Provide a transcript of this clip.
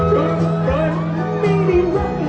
และไม่ได้หวัง